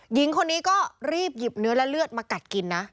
หญิงคนนี้ก็รีบหยิบเนื้อและเลือดมากัดกินนะ